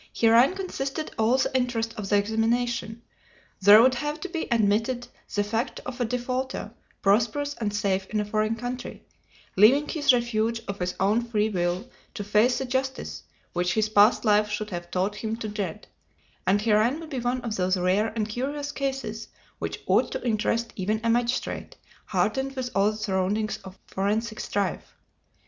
Herein consisted all the interest of the examination. There would have to be admitted the fact of a defaulter, prosperous and safe in a foreign country, leaving his refuge of his own free will to face the justice which his past life should have taught him to dread, and herein would be one of those rare and curious cases which ought to interest even a magistrate hardened with all the surroundings of forensic strife.